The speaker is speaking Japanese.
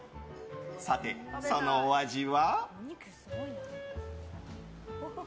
さて、そのお味は。